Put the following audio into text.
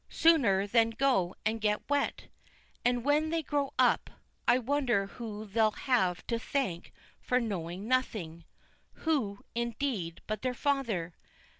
sooner than go and get wet. And when they grow up, I wonder who they'll have to thank for knowing nothing who, indeed, but their father?